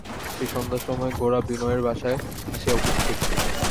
সেই সন্ধ্যার সময়েই গোরা বিনয়ের বাসায় আসিয়া উপস্থিত।